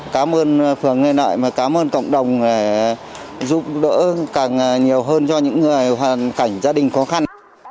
cảm ơn phường lê lợi và cảm ơn cộng đồng để giúp đỡ càng nhiều hơn cho những người hoàn cảnh gia đình có khăn